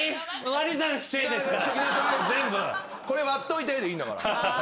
「これ割っといて」でいいんだから。